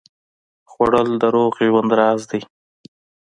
خوړل د روغ ژوند راز دی